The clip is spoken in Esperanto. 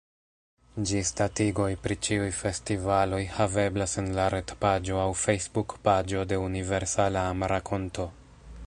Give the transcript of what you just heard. Ĝisdatigoj pri ĉiuj festivaloj haveblas en la retpaĝo aŭ Facebook-paĝo de Universala Amrakonto.